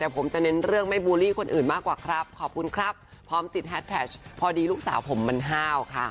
ผมจะเน้นเรื่องไม่บูลลี่คนอื่นมากกว่าครับขอบคุณครับพร้อมติดแฮดแท็กพอดีลูกสาวผมมันห้าวค่ะ